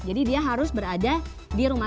jadi dia harus berada di rumah